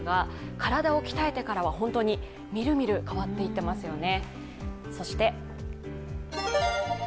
体を鍛えてからはみるみる変わってきていますよね。